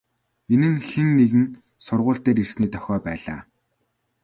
Энэ нь хэн нэгэн сургууль дээр ирсний дохио байлаа.